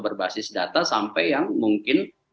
berbasis data sampai yang mungkin